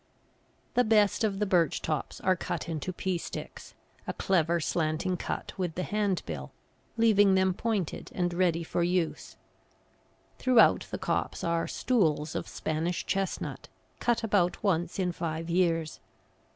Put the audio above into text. The best of the birch tops are cut into pea sticks, a clever, slanting cut with the hand bill leaving them pointed and ready for use. Throughout the copse are "stools" of Spanish chestnut, cut about once in five years.